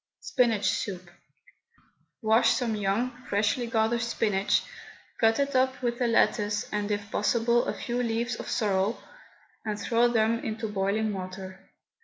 SPINACH SOUP. Wash some young, freshly gathered spinach, cut it up with a lettuce, and, if possible, a few leaves of sorrel, and throw them into boiling water.